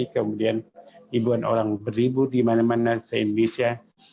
kemudian ribuan orang beribu di mana mana se indonesia